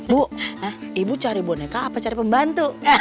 bu ibu cari boneka apa cari pembantu